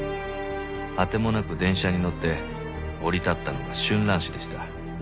あてもなく電車に乗って降り立ったのが春蘭市でした。